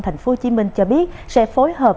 thành phố hồ chí minh cho biết sẽ phối hợp